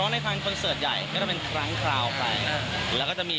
ในหลายคนอยากทำเพลงใหม่คุณใคร